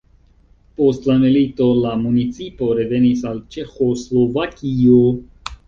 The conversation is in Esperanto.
Post la milito la municipo revenis al Ĉeĥoslovakio.